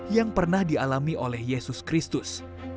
yang pernah dialami oleh yesus kristus